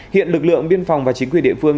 hiện lực lượng biên phòng và chính quyền địa phương